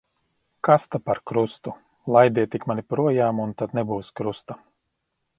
Kas ta par krustu. Laidiet tik mani projām, un tad nebūs krusta.